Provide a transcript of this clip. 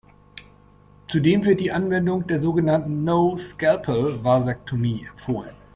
Zudem wird die Anwendung der sogenannten "no-scalpel Vasektomie" empfohlen.